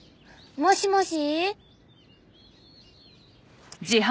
「もしもし？」